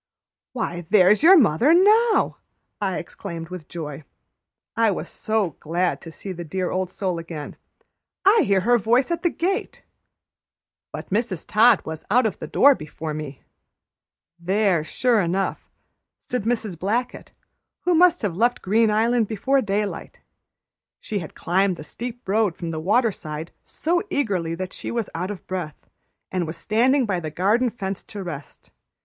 "Why, there's your mother now!" I exclaimed with joy, I was so glad to see the dear old soul again. "I hear her voice at the gate." But Mrs. Todd was out of the door before me. There, sure enough, stood Mrs. Blackett, who must have left Green Island before daylight. She had climbed the steep road from the waterside so eagerly that she was out of breath, and was standing by the garden fence to rest.